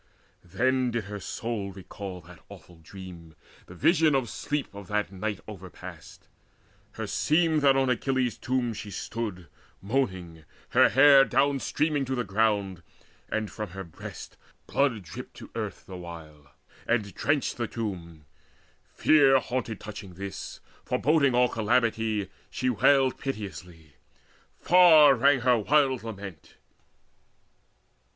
Then did her soul recall that awful dream, The vision of sleep of that night overpast: Herseemed that on Achilles' tomb she stood Moaning, her hair down streaming to the ground, And from her breasts blood dripped to earth the while, And drenched the tomb. Fear haunted touching this, Foreboding all calamity, she wailed Piteously; far rang her wild lament.